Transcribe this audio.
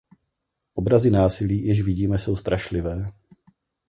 Obrazy násilí, jež vidíme, jsou strašlivé.